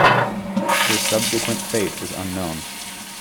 Their subsequent fate is unknown.